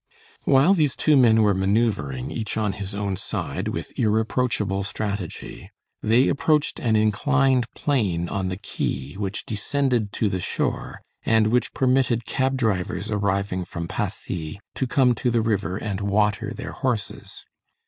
While these two men were manœuvring, each on his own side, with irreproachable strategy, they approached an inclined plane on the quay which descended to the shore, and which permitted cab drivers arriving from Passy to come to the river and water their horses.